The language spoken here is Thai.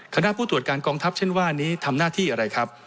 คณะผู้ตรวจการกองทัพเช่นว่านี้ทำหน้าที่อะไรครับ